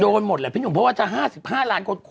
หมดแหละพี่หนุ่มเพราะว่าจะ๕๕ล้านคน